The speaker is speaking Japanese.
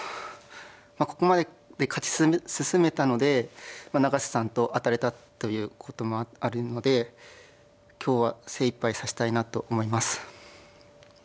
ここまで勝ち進めたので永瀬さんと当たれたということもあるので今日は精いっぱい指したいなと思います。